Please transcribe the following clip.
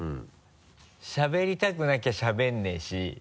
しゃべりたくなきゃしゃべらないし。